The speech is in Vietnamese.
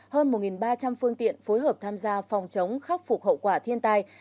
hơn một ba trăm linh phương tiện phối hợp tham gia phòng chống khắc phục hậu quả thiên tai